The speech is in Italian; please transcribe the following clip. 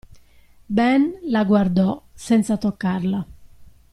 Ben la guardò, senza toccarla.